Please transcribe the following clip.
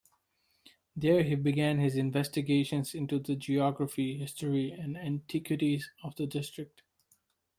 There he began his investigations into the geography, history and antiquities of the district.